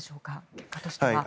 結果としては。